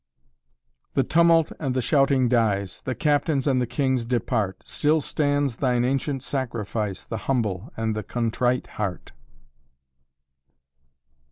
"The tumult and the shouting dies; The captains and the kings depart; Still stands thine ancient sacrifice, The humble and the contrite heart."